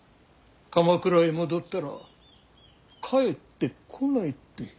鎌倉へ戻ったら帰ってこないって。